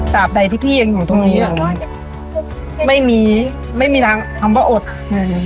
ใดที่พี่ยังอยู่ตรงนี้อ่ะไม่มีไม่มีทางคำว่าอดอืม